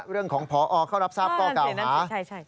เรื่องของพอเข้ารับทราบข้อเก่าหา